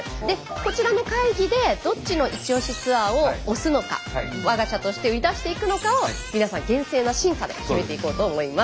こちらの会議でどっちのイチオシツアーを推すのか我が社として売り出していくのかを皆さん厳正な審査で決めていこうと思います。